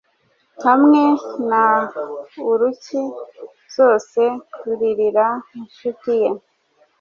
hamwe na Uruki zose kuririra inshuti ye